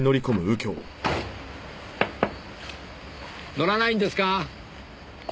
乗らないんですか？